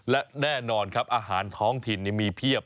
และแน่นอนครับอาหารท้องถิ่นมีเพียบ